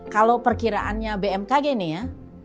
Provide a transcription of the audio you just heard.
kalau perkiraannya bmkg nih ya